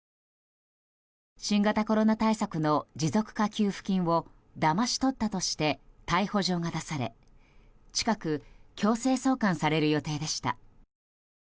新型コロナ対策の持続化給付金をだまし取ったとして逮捕状が出され近く強制送還される予定でした。